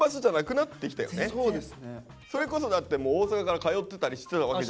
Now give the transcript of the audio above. それこそだってもう大阪から通ってたりしてたわけじゃん丈。